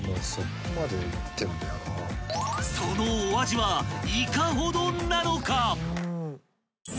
［そのお味はいかほどなのか？］